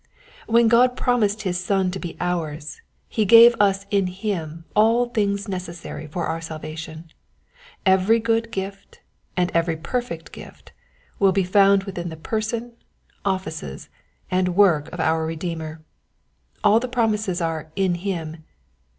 When God promised his Son to be ours, he gave us in him all things necessary for our salvation. Every good gift and every perfect gift will be found within the person, offices, and work of our Redeemer. All the promises are "in him."